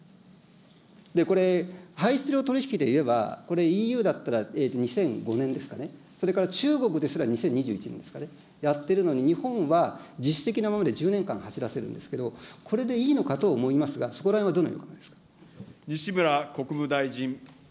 これ、排出量取り引きでいえば、これＥＵだったら、２００５年ですかね、それから中国ですら２０２１年ですかね、やってるのに日本は、自主的なもので年間走らせるんですけど、これでいいのかと思いますが、そこらへんはどのようにお考えですか。